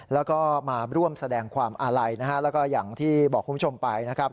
แล้วก็มาร่วมแสดงความอาลัยนะฮะแล้วก็อย่างที่บอกคุณผู้ชมไปนะครับ